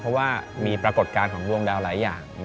เพราะว่ามีปรากฏการณ์ของดวงดาวหลายอย่าง